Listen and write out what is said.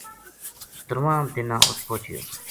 ترواں دِناں ات پوہچیا۔